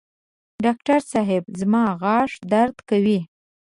ډاکټر صېب زما غاښ درد کوي